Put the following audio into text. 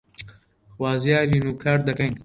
خوازیارین و کار دەکەین